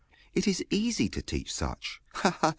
It is easy to teach such! Ha, ha!